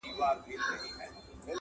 o د بلي وني سوري ته نيالي نه غټېږي!